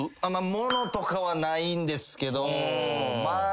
物とかはないんですけど。